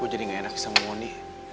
gue jadi gak enak sama mondi